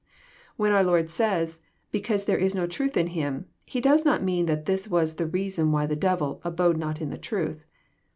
When our Lord says, " Because there is no truth in him," He does not mean that this was the reason why the devil " abode not in the truth."